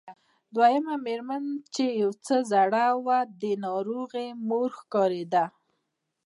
دويمه مېرمنه چې يو څه زړه وه د ناروغې مور ښکارېده.